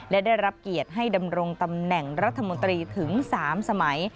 และได้รับเกียรติให้ดำรงตำแหน่งรัฐมนตรีถึง๓สมัย